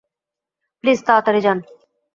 Please, তাড়াতাড়ি যান!